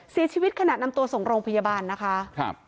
เสียชีวิตขนาดนำตัวส่งโรงพยาบาลนะคะ